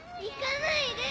行かないで！